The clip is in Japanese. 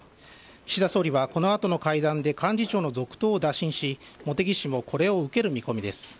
岸田総理はこのあとの会談で、幹事長の続投を打診し、茂木氏もこれを受ける見込みです。